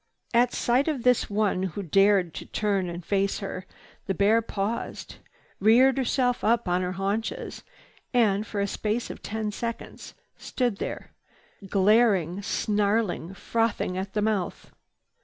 At sight of this one who dared to turn and face her, the bear paused, reared herself upon her haunches and, for a space of ten seconds, stood there, glaring, snarling, frothing at the mouth.